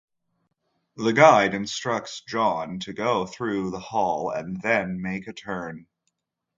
The guide instructs John to go through the hall and then make a turn.